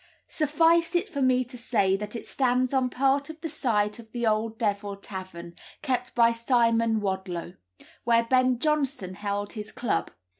Suffice it for me to say that it stands on part of the site of the old Devil Tavern, kept by old Simon Wadloe, where Ben Jonson held his club.